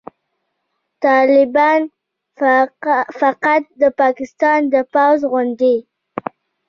طالبان فقط د پاکستان د پوځ غوندې